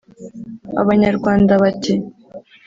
Abanyarwanda bati